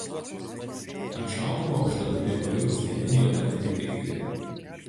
Ant šautuvo uždedami įvairūs dieniniai ir naktiniai taikikliai.